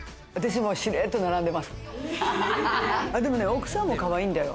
奥さんもかわいいんだよ。